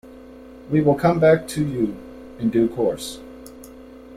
We will come back to you in due course.